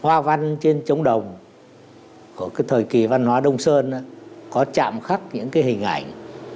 hoa văn trên trống đồng của cái thời kỳ văn hóa đông sơn á có chạm khắc những cái hình ảnh